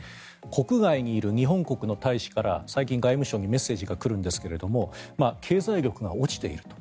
国外にいる日本国の大使から最近、外務省にメッセージが来るんですが経済力が落ちていると。